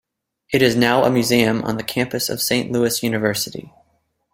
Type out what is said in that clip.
It is now a museum on the campus of Saint Louis University.